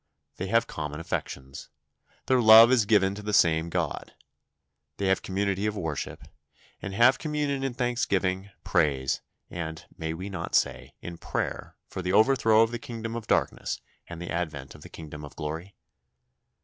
They have common affections. Their love is given to the same God. They have community of worship, and have communion in thanksgiving, praise, and, may we not say, in prayer for the overthrow of the kingdom of darkness and the advent of the kingdom of glory?